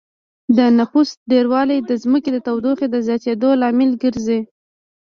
د نفوس ډېروالی د ځمکې د تودوخې د زياتېدو لامل ګرځي